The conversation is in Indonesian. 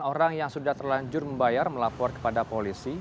lima orang yang sudah terlanjur membayar melapor kepada polisi